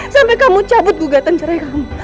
sampai kamu cabut gugatan cerai kamu